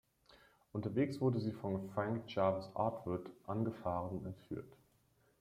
Unterwegs wurde sie von Frank Jarvis Atwood angefahren und entführt.